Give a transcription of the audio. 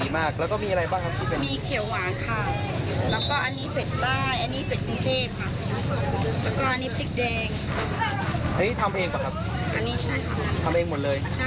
ทำเองหมดเลยใช่สุด